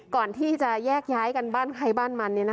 ก่อนที่จะแยกย้ายกันบ้านใครบ้านมัน